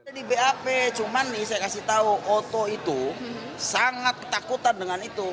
ada di bap cuman nih saya kasih tahu oto itu sangat ketakutan dengan itu